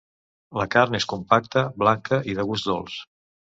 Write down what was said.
La carn és compacta, blanca, i de gust dolç.